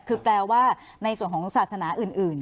คือแปลว่าในส่วนของศาสนาอื่น